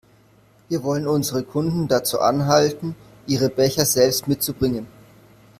Wir wollen unsere Kunden dazu anhalten, ihre Becher selbst mitzubringen.